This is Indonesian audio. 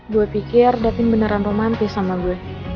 gue pikir tapi beneran romantis sama gue